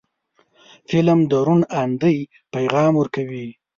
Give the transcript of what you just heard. فلم د روڼ اندۍ پیغام ورکوي